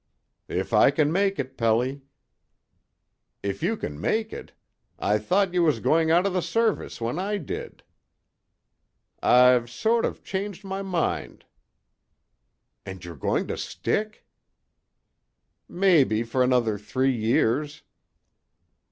"If I can make it, Pelly." "If you can make it! I thought you was going out of the Service when I did." "I've sort of changed my mind." "And you're going to stick?" "Mebbe for another three years."